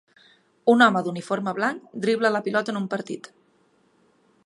Un home d'uniforme blanc dribla la pilota en un partit.